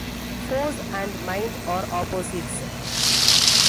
Force and mind are opposites.